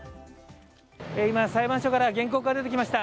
今、裁判所から原告が出てきました。